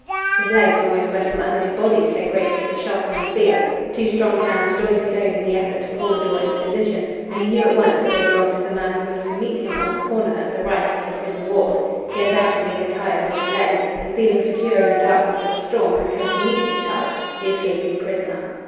His legs almost went from under his body, so great was the shock and the fear. Two strong hands joined his own in the effort to pull the door into position, and he knew at once that they belonged to the man who was to meet him on the corner at the right of the prison wall. He undoubtedly had tired of the delay, and, feeling secure in the darkness of the storm, had come to meet his charge, the escaping prisoner.